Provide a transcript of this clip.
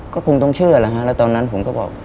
ก็คงต้องเชื่อแล้วฮะแล้วตอนนั้นผมก็บอก